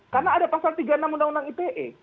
karena ada pasal tiga enam undang undang ite